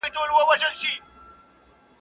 خدای ئې کوي، خو شولي بې اوبو نه کېږي.